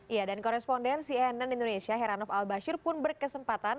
ya dan koresponden cnn indonesia heranov al bashir pun berkesempatan